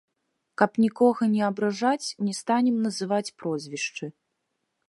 Каб нікога не абражаць, не станем называць прозвішчы.